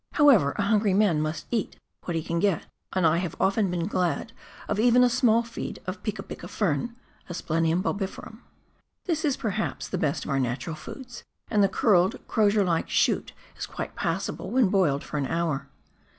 However, a hungry man must eat what he can get, and I have often been glad of even a small feed of Piki piki fern (Aspkm'um bulhi ferum). This is, perhaps, the best of our natural foods, and the curled, crozier like shoot is quite passable when boiled for an hour.